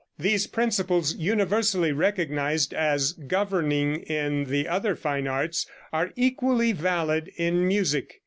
These principles, universally recognized as governing in the other fine arts, are equally valid in music.